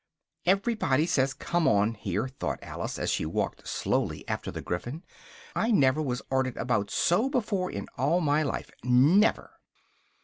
"Everybody says 'come on!' here," thought Alice as she walked slowly after the Gryphon; "I never was ordered about so before in all my life never!"